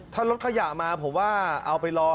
ถ้ารถขยะมาผมว่าเอาไปรอ